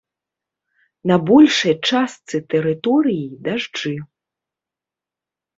На большай частцы тэрыторыі дажджы.